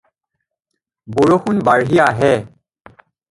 বৰষুণ বাঢ়ি আহে।